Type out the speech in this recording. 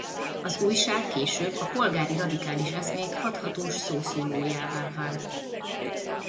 Az újság később a polgári radikális eszmék hathatós szószólójává vált.